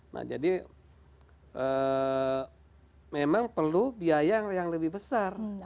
nah jadi memang perlu biaya yang lebih besar